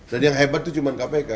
dan yang hebat itu cuma kpk